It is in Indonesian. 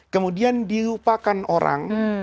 kemudian dilupakan orang